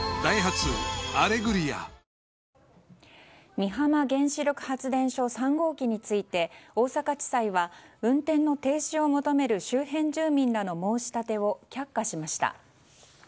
美浜原子力発電所３号機について大阪地裁は運転の停止を求める周辺住民らの申し立てを却下しました。